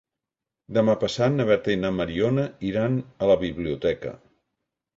Demà passat na Berta i na Mariona iran a la biblioteca.